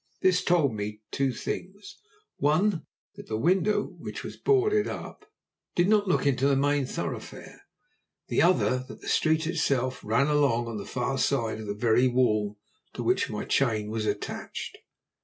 This told me two things: one, that the window, which was boarded up, did not look into the main thoroughfare; the other, that the street itself ran along on the far side of the very wall to which my chain was attached.